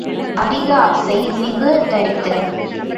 அதிக ஆசை மிகு தரித்திரம்.